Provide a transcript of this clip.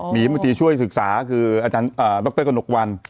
มีรัฐมนตรีช่วยศึกษาคืออาจารย์ดรกระหนกวัน